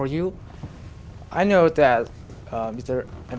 tôi biết rằng